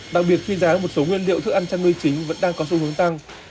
đặc biệt khi giá một số nguyên liệu thức ăn chăn nuôi chính vẫn đang có xu hướng tăng